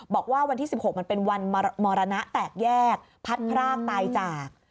บอกว่าวันที่๑๖มันเป็นวันมรณะแตกแยกพัดพรากตายจาก